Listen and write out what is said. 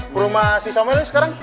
berumah si samuel ini sekarang